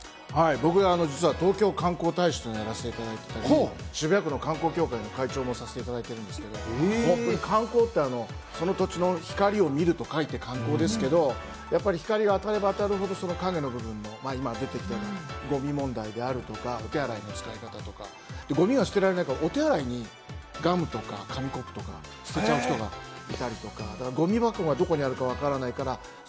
僕は実は東京観光大使をやらせていただいたときに、渋谷の観光協会の会長もやらせていただいてるんですけれども、その土地の「光を観る」と書いて観光ですけれども、光が当たれば当たるほど、その影の部分も出てきて、ゴミ問題であるとか、お手洗いの使い方とか、ゴミが捨てられないから、お手洗いにガムとか、紙コップとか捨てちゃう人がいたりとか。